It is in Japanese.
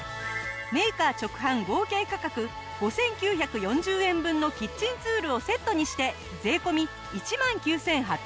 メーカー直販合計価格５９４０円分のキッチンツールをセットにして税込１万９８００円。